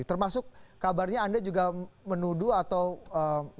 termasuk kabarnya anda juga menuduh atau mengatakan bahwa di pada perhubungan dengan pak junaidy